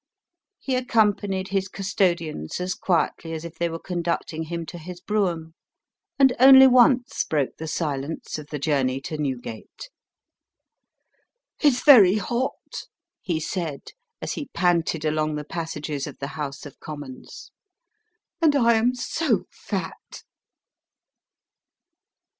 He accompanied his custodians as quietly as if they were conducting him to his brougham, and only once broke the silence of the journey to Newgate. "It's very hot," he said, as he panted along the passages of the House of Commons, "and I am so fat."